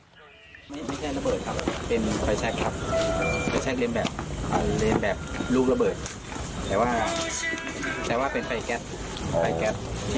อันนี้ไม่ใช่ระเบิดครับเป็นไฟแช็กครับไฟแช็กเล่นแบบลูกระเบิดแต่ว่าเป็นไฟแก๊ส